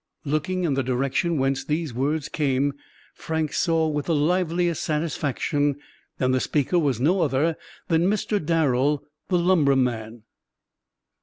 Looking in the direction whence these words came, Frank saw with the liveliest satisfaction that the speaker was no other than Mr. Darrel, the lumberman.